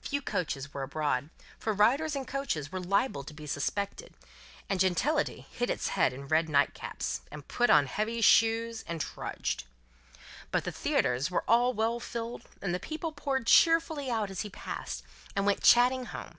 Few coaches were abroad, for riders in coaches were liable to be suspected, and gentility hid its head in red nightcaps, and put on heavy shoes, and trudged. But, the theatres were all well filled, and the people poured cheerfully out as he passed, and went chatting home.